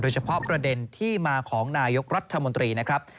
เฉพาะประเด็นที่มาของนายกรัฐมนตรีนะครับ